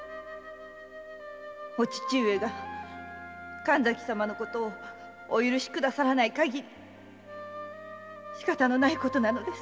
〔お父上が神崎様のことをお許しくださらない限りしかたのないことなのです〕